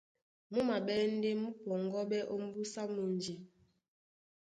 Mú maɓɛ́ ndé mú pɔŋgɔ́ɓɛ́ ómbúsá mundi.